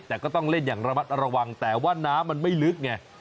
แต่ก็ต้องเล่นอย่างระมัดระวังแต่ว่าน้ำมันไม่ลึกไง